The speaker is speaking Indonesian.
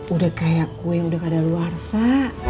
udah kayak kue yang udah kadaluarsa